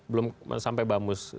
belum sampai bamus